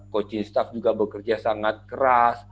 coaching staff juga bekerja sangat keras